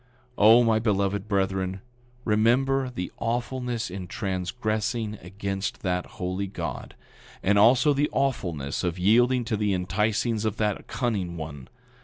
9:39 O, my beloved brethren, remember the awfulness in transgressing against that Holy God, and also the awfulness of yielding to the enticings of that cunning one.